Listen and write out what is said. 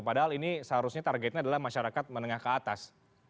padahal ini seharusnya targetnya adalah masyarakat menengah ke atas